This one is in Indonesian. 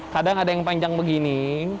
kadang ada yang panjang begini